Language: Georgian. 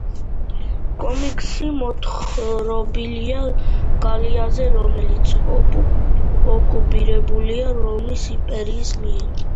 კომიქსში მოთხრობილია გალიაზე, რომელიც ოკუპირებულია რომის იმპერიის მიერ.